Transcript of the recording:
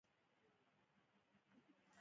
د حاصل د خرڅلاو سیستم باید عصري شي.